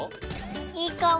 いいかも。